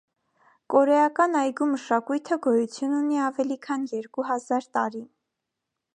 Կորեական այգու մշակույթը գոյություն ունի ավելի քան երկու հազար տարի։